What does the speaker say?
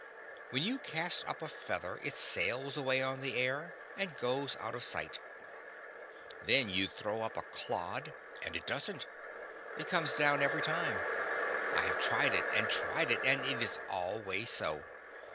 When you cast up a feather it sails away on the air and goes out of sight; then you throw up a clod and it doesn't. It comes down, every time. I have tried it and tried it, and it is always so.